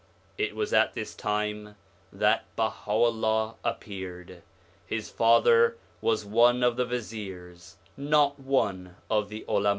It was at this time that Baha'u'llah appeared. His father was one of the viziers, not one of the Ulama.